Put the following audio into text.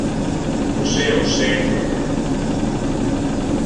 Ho sé, ho sé, he, he, he.